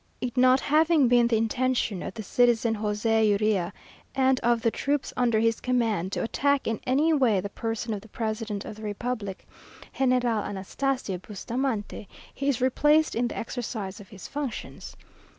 It not having been the intention of the citizen José Urrea, and of the troops under his command, to attack in any way the person of the president of the republic, General Anastasio Bustamante, he is replaced in the exercise of his functions.